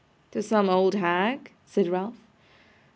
'To some old hag?' said Ralph.